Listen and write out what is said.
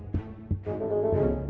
atau kau mohon